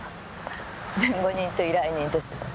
弁護人と依頼人ですが。